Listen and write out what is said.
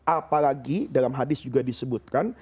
apalagi dalam hadis juga disebutkan